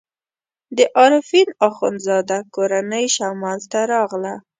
د عارفین اخندزاده کورنۍ شمال ته راغله.